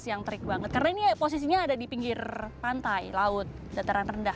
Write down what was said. jadi gak terlalu panas kalo siang siang terik banget karena ini posisinya ada di pinggir pantai laut dataran rendah